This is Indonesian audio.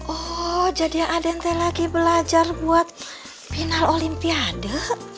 oh jadi ya adente lagi belajar buat final olimpiade